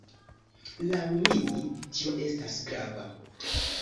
Laŭ mi, tio estas grava.